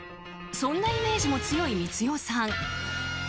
そんなイメージも強い光代さん。